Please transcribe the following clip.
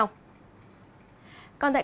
còn tại các tỉnh đông bắc bộ